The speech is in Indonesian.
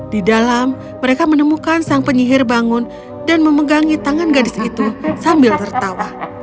di dalam mereka menemukan sang penyihir bangun dan memegangi tangan gadis itu sambil tertawa